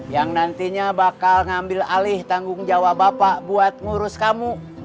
yang nantinya bakal ngambil alih tanggung jawab bapak buat ngurus kamu